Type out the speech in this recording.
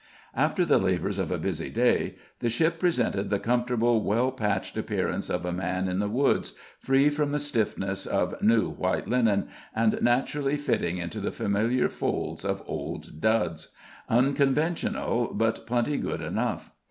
After the labors of a busy day, the ship presented the comfortable well patched appearance of a man in the woods, free from the stiffness of new white linen, and naturally fitting into the familiar folds of old duds, unconventional but plenty good enough.